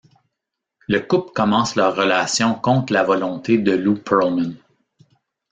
Le couple commence leur relation contre la volonté de Lou Pearlman.